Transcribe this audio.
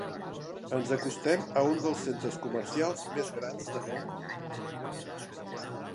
Ens acostem a un dels centres comercials més grans de Hong Kong.